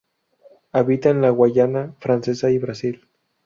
Habita en la Guayana Francesa y Brasil.